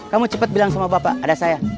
kamu cepat bilang sama bapak ada saya